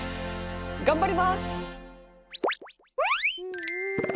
頑張ります！